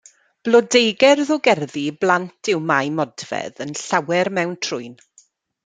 Blodeugerdd o gerddi i blant yw Mae Modfedd yn Llawer Mewn Trwyn.